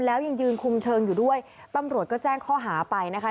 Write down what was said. แล้วยังยืนคุมเชิงอยู่ด้วยตำรวจก็แจ้งข้อหาไปนะคะ